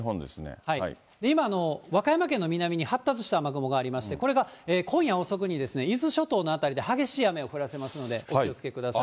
今、和歌山県の南に発達した雨雲がありまして、これが今夜遅くに伊豆諸島の辺りで激しい雨を降らせますので、お気をつけください。